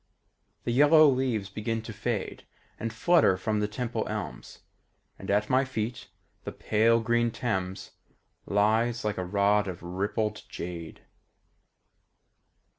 The yellow leaves begin to fade And flutter from the Temple elms, And at my feet the pale green Thames Lies like a rod of rippled jade.